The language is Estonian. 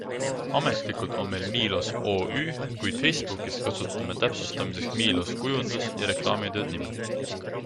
Ametlikult on meil Milos OÜ, kuid Facebookis kasutame täpsustamiseks Milos Kujundus- ja reklaamitööd nime.